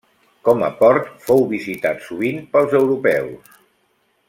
Com a port fou visitat sovint pels europeus.